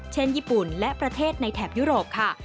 เช่นญี่ปุ่นและประเทศในแถบยุโรปค่ะ